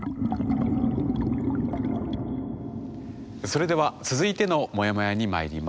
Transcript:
それでは続いてのモヤモヤにまいります。